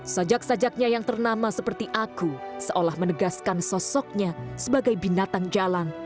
sajak sajaknya yang ternama seperti aku seolah menegaskan sosoknya sebagai binatang jalan